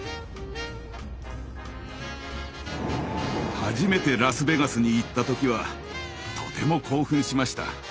初めてラスベガスに行った時はとても興奮しました。